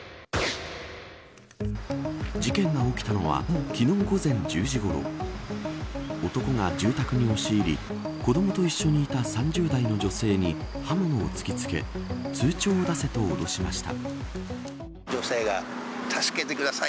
事件が起きたのは昨日、午前１０時ごろ男が住宅に押し入り子供と一緒にいた３０代の女性に刃物を突き付け通帳を出せ、と脅しました。